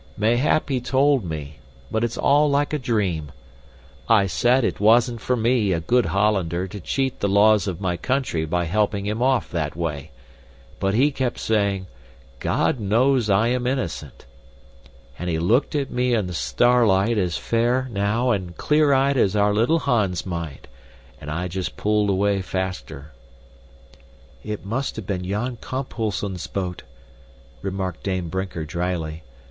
Mayhap he told me, but it's all like a dream. I said it wasn't for me, a good Hollander, to cheat the laws of my country by helping him off that way, but he kept saying, 'God knows I am innocent!' And he looked at me in the starlight as fair, now, and clear eyed as our little Hans might and I just pulled away faster." "It must have been Jan Kamphuisen's boat," remarked Dame Brinker dryly.